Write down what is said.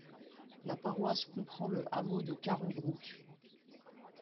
La paroisse comprend le hameau de Caron-Brook.